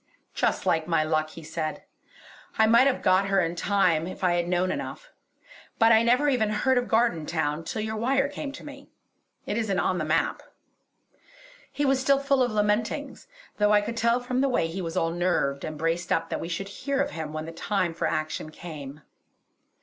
"Just like my luck!" he said, "I might have got her in time if I had known enough; but I never even heard of Gardentown till your wire came to me. It isn't on the map." He was still full of lamentings, though I could tell from the way he was all nerved and braced up that we should hear of him when the time for action came.